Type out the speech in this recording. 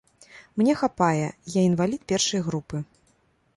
Мне хапае, я інвалід першай групы.